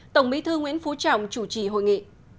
tổng bí thư nguyễn phú trọng chủ trì hội nghị